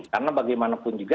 karena bagaimanapun juga